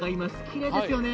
きれいですよね。